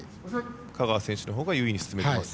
香川選手のほうが有利に進めています。